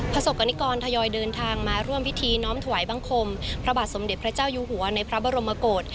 ประสบกรณิกรทยอยเดินทางมาร่วมพิธีน้อมถวายบังคมพระบาทสมเด็จพระเจ้าอยู่หัวในพระบรมกฏ